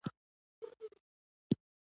دا پالنه ستا ده خدایه.